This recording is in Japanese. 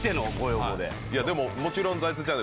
でももちろん。